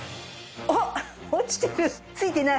あっ！